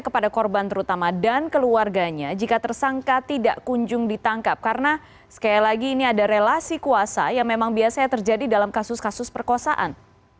kepada korban terutama dan keluarganya jika tersangka tidak kunjung ditangkap karena sekali lagi ini ada relasi kuasa yang memang biasanya terjadi dalam kasus kasus perkosaan